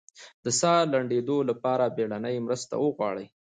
د ساه د لنډیدو لپاره بیړنۍ مرسته وغواړئ